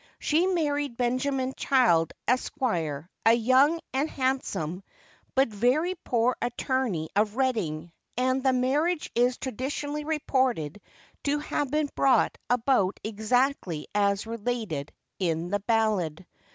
She married Benjamin Child, Esq., a young and handsome, but very poor attorney of Reading, and the marriage is traditionally reported to have been brought about exactly as related in the ballad.